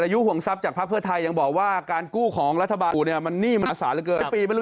เผื่อแปปเนี่ยตกเย็นไม่ให้เปิดอีกแล้ว